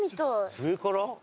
上から？